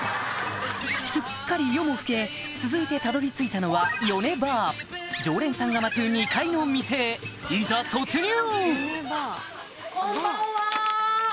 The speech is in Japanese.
すっかり夜も更け続いてたどり着いたのは常連さんが待つ２階の店へいざ突入！